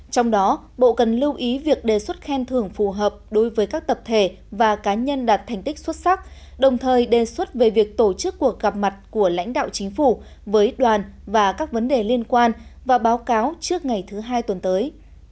trong đó bộ cần lưu ý việc đề xuất khen thưởng phù hợp đối với các tập thể và cá nhân đạt thành tích xuất sắc đồng thời đề xuất về việc tổ chức cuộc gặp mặt của lãnh đạo chính phủ với đoàn và các vấn đề liên quan và báo cáo trước ngày thứ hai tuần tới